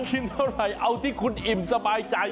กินเท่าไหร่เอาที่คุณอิ่มสบายใจ